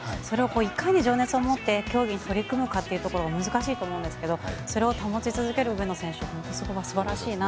いかに情熱を持って競技に取り組むかっていうところ難しいと思うんですけどそれを保ち続ける上野選手は素晴らしいなと。